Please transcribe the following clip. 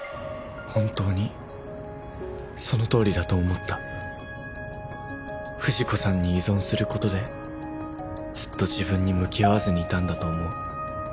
本当にその通りだと思った藤子さんに依存することでずっと自分に向き合わずにいたんだと思う